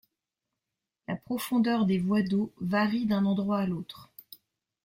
La profondeur des voies d'eau varie d'un endroit à l'autre.